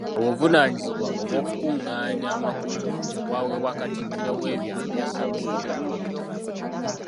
Obuvunaanyizibwa obwokukungaanya amakula bwaweebwa Katikkiro w'ebyalo bya Ssaabasajja Kabaka.